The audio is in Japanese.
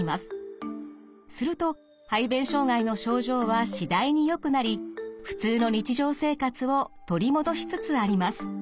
すると排便障害の症状は次第によくなり普通の日常生活を取り戻しつつあります。